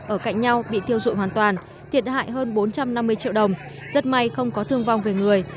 ở cạnh nhau bị thiêu dụi hoàn toàn thiệt hại hơn bốn trăm năm mươi triệu đồng rất may không có thương vong về người